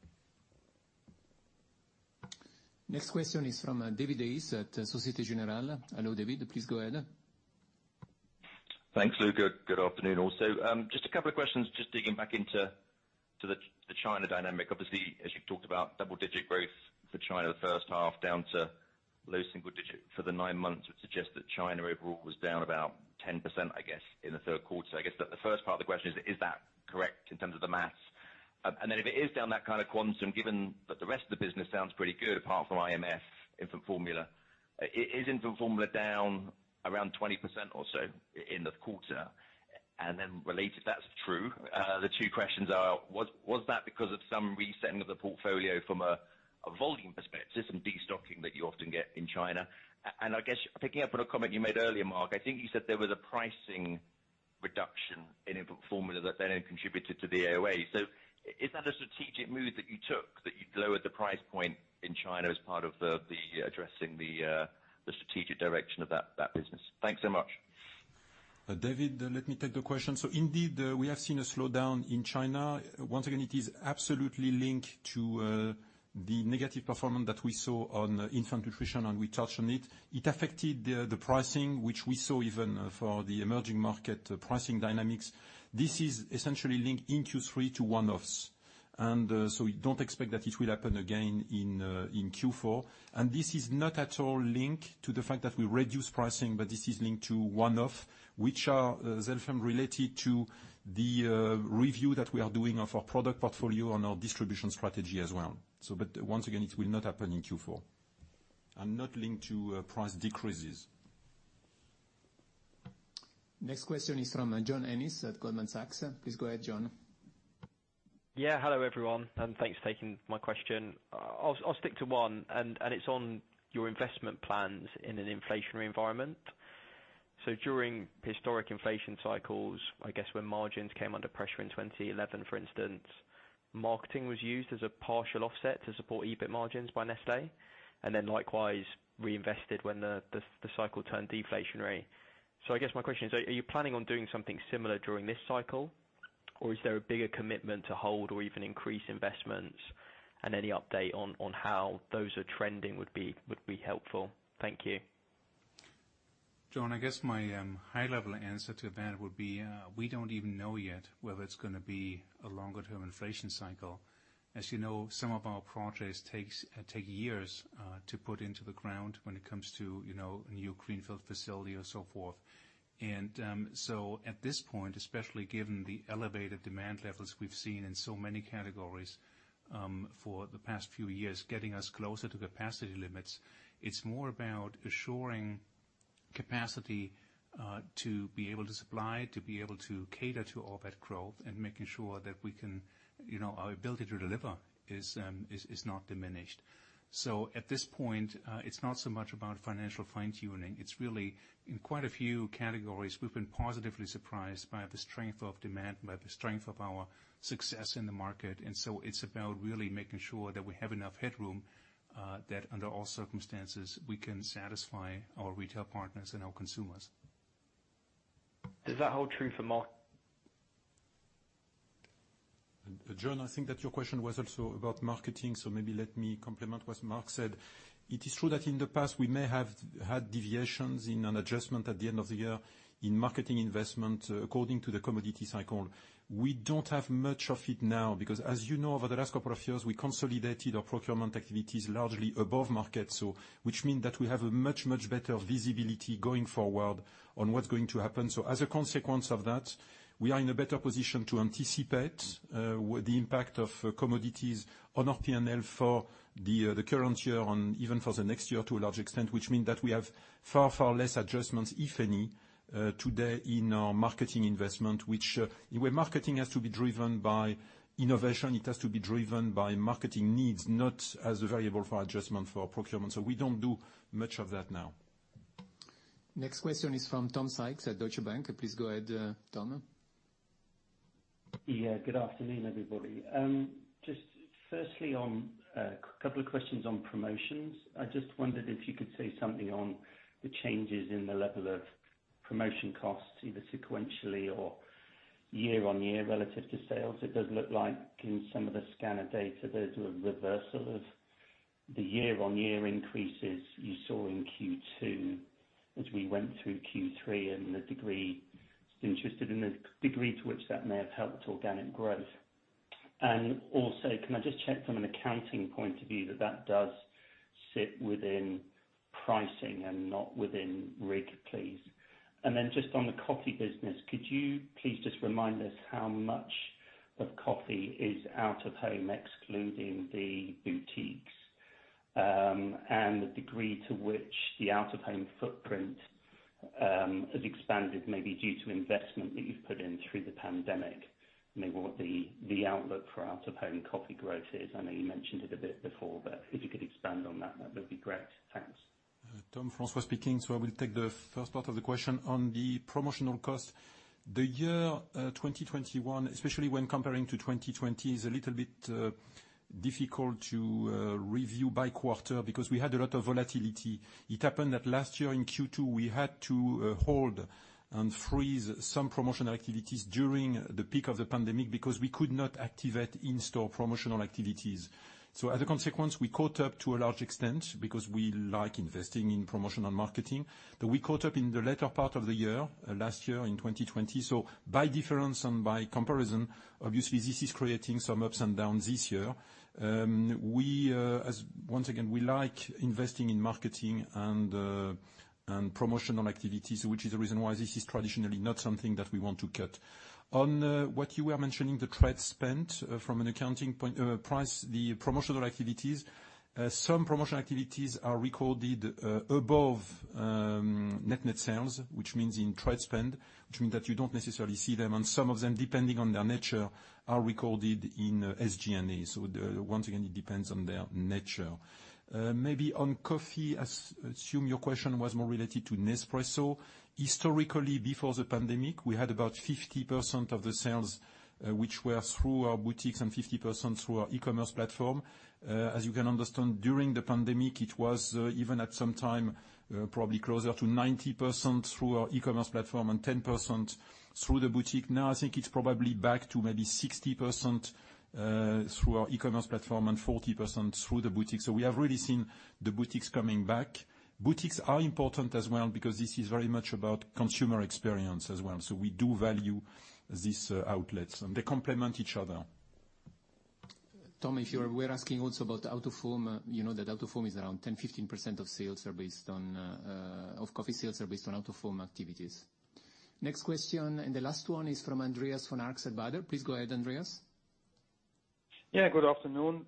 Next question is from David Hayes at Societe Generale. Hello, David. Please go ahead. Thanks, Luca. Good afternoon, also. Just a couple of questions, just digging back into the China dynamic. Obviously, as you talked about double-digit growth for China the first half down to low single digit for the nine months would suggest that China overall was down about 10%, I guess, in the third quarter. I guess the first part of the question is that correct in terms of the math? If it is down that kind of quantum, given that the rest of the business sounds pretty good apart from IMF infant formula, is infant formula down around 20% or so in the quarter? Related, if that's true, the two questions are, was that because of some resetting of the portfolio from a volume perspective, some destocking that you often get in China? I guess picking up on a comment you made earlier, Mark, I think you said there was a pricing reduction in infant formula that then contributed to the AOA. Is that a strategic move that you took, that you lowered the price point in China as part of addressing the strategic direction of that business? Thanks so much. David, let me take the question. Indeed, we have seen a slowdown in China. Once again, it is absolutely linked to the negative performance that we saw on infant nutrition, and we touched on it. It affected the pricing which we saw even for the emerging market pricing dynamics. This is essentially linked in Q3 to one-offs. We don't expect that it will happen again in Q4. Not at all linked to the fact that we reduced pricing, but this is linked to one-off, which are them related to the review that we are doing of our product portfolio and our distribution strategy as well. Once again, it will not happen in Q4. Not linked to price decreases. Next question is from John Ennis at Goldman Sachs. Please go ahead, John. Hello, everyone, and thanks for taking my question. I'll stick to one. It's on your investment plans in an inflationary environment. During historic inflation cycles, I guess when margins came under pressure in 2011, for instance, marketing was used as a partial offset to support EBIT margins by Nestlé. Then likewise reinvested when the cycle turned deflationary. I guess my question is, are you planning on doing something similar during this cycle? Is there a bigger commitment to hold or even increase investments? Any update on how those are trending would be helpful. Thank you. John, I guess my high level answer to that would be, we don't even know yet whether it's going to be a longer term inflation cycle. As you know, some of our projects take years to put into the ground when it comes to a new greenfield facility or so forth. At this point, especially given the elevated demand levels we've seen in so many categories for the past few years, getting us closer to capacity limits, it's more about assuring capacity to be able to supply, to be able to cater to all that growth and making sure that our ability to deliver is not diminished. At this point, it's not so much about financial fine-tuning. It's really in quite a few categories, we've been positively surprised by the strength of demand, by the strength of our success in the market, and so it's about really making sure that we have enough headroom that under all circumstances, we can satisfy our retail partners and our consumers. Does that hold true for? John, I think that your question was also about marketing, so maybe let me complement what Mark said. It is true that in the past, we may have had deviations in an adjustment at the end of the year in marketing investment, according to the commodity cycle. We don't have much of it now because, as you know, over the last couple of years, we consolidated our procurement activities largely above market, which mean that we have a much, much better visibility going forward on what's going to happen. As a consequence of that, we are in a better position to anticipate the impact of commodities on our P&L for the current year on even for the next year to a large extent, which means that we have far, far less adjustments, if any, today in our marketing investment. Which marketing has to be driven by innovation. It has to be driven by marketing needs, not as a variable for adjustment for procurement. We don't do much of that now. Next question is from Tom Sykes at Deutsche Bank. Please go ahead, Tom. Yeah. Good afternoon, everybody. Firstly, a couple of questions on promotions. I just wondered if you could say something on the changes in the level of promotion costs, either sequentially or year on year relative to sales. It does look like in some of the scanner data, there's a reversal of the year on year increases you saw in Q2 as we went through Q3, and I'm interested in the degree to which that may have helped organic growth. Can I just check from an accounting point of view, that that does sit within pricing and not within RIG, please? On the coffee business, could you please just remind us how much of coffee is out of home, excluding the boutiques, and the degree to which the out of home footprint has expanded, maybe due to investment that you've put in through the pandemic? Maybe what the outlook for out of home coffee growth is? I know you mentioned it a bit before, but if you could expand on that would be great. Thanks. Tom, François speaking. I will take the first part of the question on the promotional cost. The year 2021, especially when comparing to 2020, is a little bit difficult to review by quarter because we had a lot of volatility. It happened that last year in Q2, we had to hold and freeze some promotional activities during the peak of the pandemic because we could not activate in-store promotional activities. As a consequence, we caught up to a large extent because we like investing in promotional marketing, but we caught up in the latter part of the year, last year in 2020. By difference and by comparison, obviously this is creating some ups and downs this year. Once again, we like investing in marketing and promotional activities, which is the reason why this is traditionally not something that we want to cut. On what you were mentioning, the trade spend from an accounting price, the promotional activities. Some promotional activities are recorded above net new sales, which means in trade spend which means that you don't necessarily see them, and some of them, depending on their nature, are recorded in SG&A. Once again, it depends on their nature. Maybe on coffee, I assume your question was more related to Nespresso. Historically, before the pandemic, we had about 50% of the sales which were through our boutiques and 50% through our e-commerce platform. As you can understand, during the pandemic, it was even at some time, probably closer to 90% through our e-commerce platform and 10% through the boutique. Now I think it's probably back to maybe 60% through our e-commerce platform and 40% through the boutique. We have really seen the boutiques coming back. Boutiques are important as well because this is very much about consumer experience as well. We do value these outlets, and they complement each other. Tom, if you were asking also about out-of-home, you know that out of home is around 10% to 15% of coffee sales are based on out of home activities. Next question, the last one is from Andreas von Arx at Baader. Please go ahead, Andreas. Yeah, good afternoon.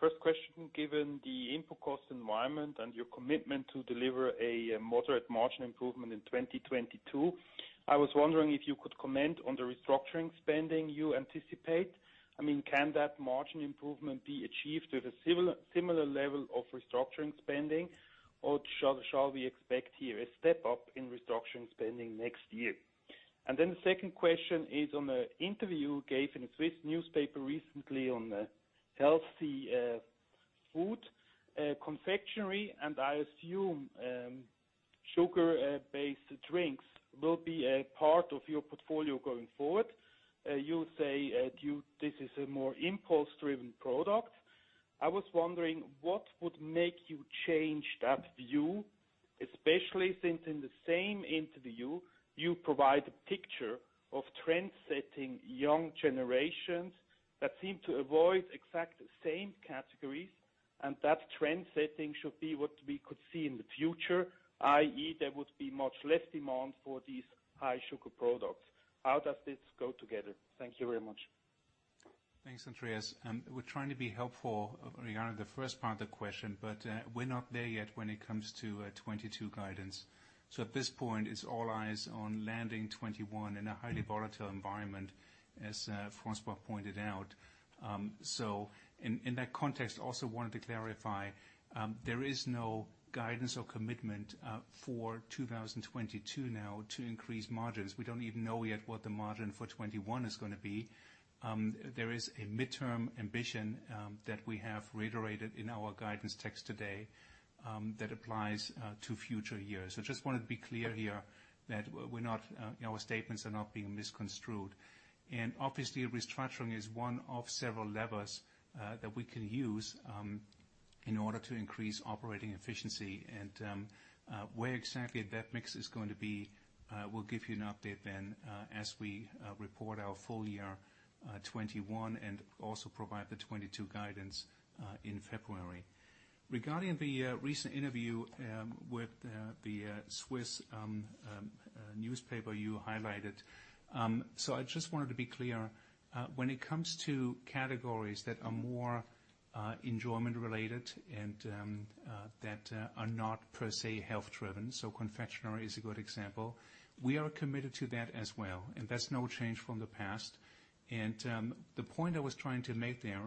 First question, given the input cost environment and your commitment to deliver a moderate margin improvement in 2022, I was wondering if you could comment on the restructuring spending you anticipate. Can that margin improvement be achieved with a similar level of restructuring spending, or shall we expect here a step up in restructuring spending next year? The second question is on an interview you gave in a Swiss newspaper recently on healthy food confectionery, and I assume sugar-based drinks will be a part of your portfolio going forward. You say this is a more impulse-driven product. I was wondering what would make you change that view, especially since in the same interview, you provide a picture of trendsetting young generations that seem to avoid exact same categories and that trendsetting should be what we could see in the future, i.e., there would be much less demand for these high sugar products. How does this go together? Thank you very much. Thanks, Andreas. We're trying to be helpful regarding the first part of the question, but we're not there yet when it comes to 2022 guidance. At this point, it's all eyes on landing 2021 in a highly volatile environment, as François pointed out. In that context, also wanted to clarify, there is no guidance or commitment for 2022 now to increase margins. We don't even know yet what the margin for 2021 is going to be. There is a midterm ambition that we have reiterated in our guidance text today that applies to future years. Just wanted to be clear here that our statements are not being misconstrued. Obviously, restructuring is one of several levers that we can use in order to increase operating efficiency. Where exactly that mix is going to be, we'll give you an update then as we report our full year 2021 and also provide the 2022 guidance in February. Regarding the recent interview with the Swiss newspaper you highlighted. I just wanted to be clear. When it comes to categories that are more enjoyment related and that are not per se health driven, so confectionery is a good example, we are committed to that as well, and that's no change from the past. The point I was trying to make there,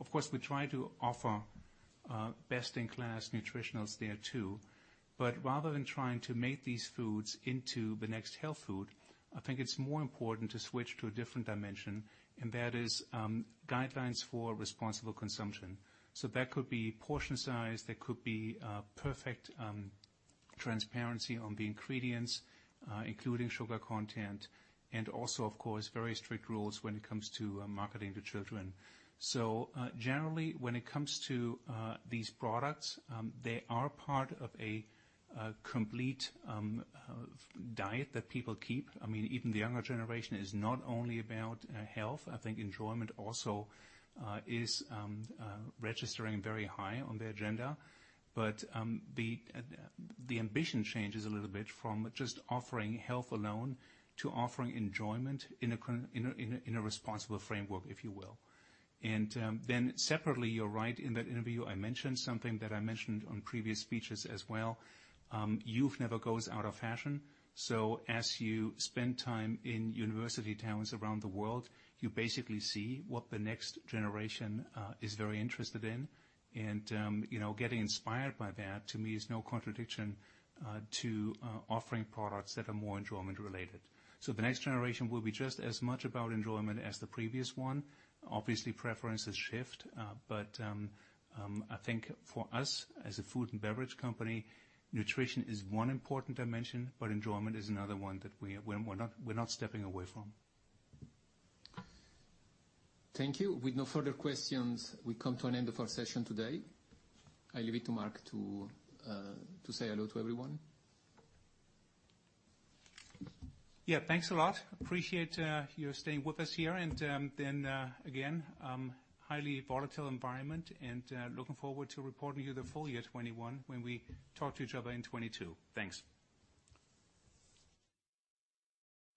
of course, we try to offer best in class nutritionals there too. Rather than trying to make these foods into the next health food, I think it's more important to switch to a different dimension, and that is guidelines for responsible consumption. That could be portion size, that could be perfect transparency on the ingredients, including sugar content, and also, of course, very strict rules when it comes to marketing to children. Generally when it comes to these products, they are part of a complete diet that people keep. Even the younger generation is not only about health. I think enjoyment also is registering very high on the agenda. The ambition changes a little bit from just offering health alone to offering enjoyment in a responsible framework, if you will. Separately, you're right, in that interview, I mentioned something that I mentioned on previous speeches as well. Youth never goes out of fashion, so as you spend time in university towns around the world, you basically see what the next generation is very interested in. Getting inspired by that, to me, is no contradiction to offering products that are more enjoyment-related. So the next generation will be just as much about enjoyment as the previous one. Obviously, preferences shift. I think for us, as a food and beverage company, nutrition is one important dimension but enjoyment is another one that we're not stepping away from. Thank you. With no further questions, we come to an end of our session today. I leave it to Mark to say hello to everyone. Yeah, thanks a lot. Appreciate you staying with us here. Again, highly volatile environment and looking forward to reporting you the full year 2021 when we talk to each other in 2022. Thanks.